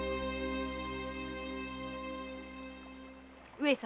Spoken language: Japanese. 上様。